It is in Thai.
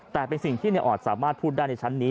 แต่เป็นสิ่งที่ในออดสามารถพูดได้ในชั้นนี้